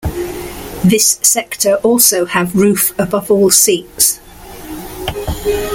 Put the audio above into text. This sector also have roof above all seats.